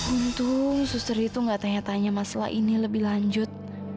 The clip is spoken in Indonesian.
untung suster itu gak tanya tanya masalah ini lebih lanjut